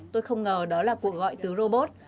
tôi không ngờ đó là cuộc gọi từ robot